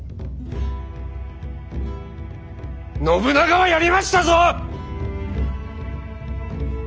信長はやりましたぞ！